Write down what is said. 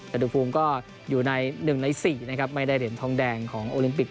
จัดกรุงฟูมก็อยู่ในหนึ่งในสี่นะครับไม่ได้เห็นทองแดงของโอลิมปิก